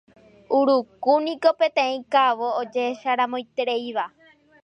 Urukúniko peteĩ ka'avo ojehecharamoitereíva